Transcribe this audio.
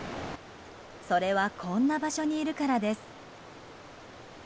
それはこんな場所にいるからです。